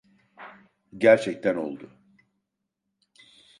Gerçekten oldu.